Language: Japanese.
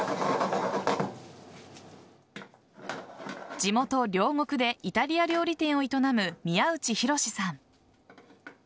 地元・両国でイタリア料理店を営む宮内洋さん。